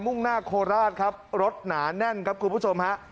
่งหน้าโคราชครับรถหนาแน่นครับคุณผู้ชมฮะ